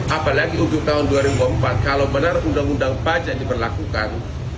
apalagi untuk tahun dua ribu empat kalau benar undang undang pajak diberlakukan